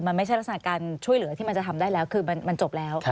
มันไม่ใช่ลักษณะการช่วยเหลือที่มันจะทำได้แล้วคือมันจบแล้ว